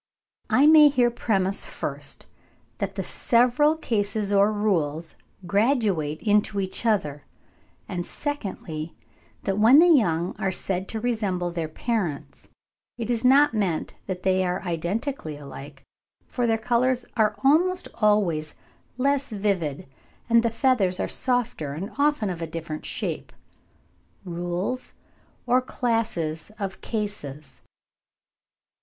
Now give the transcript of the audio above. I may here premise, first, that the several cases or rules graduate into each other; and secondly, that when the young are said to resemble their parents, it is not meant that they are identically alike, for their colours are almost always less vivid, and the feathers are softer and often of a different shape. RULES OR CLASSES OF CASES.